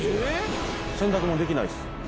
洗濯物できないです。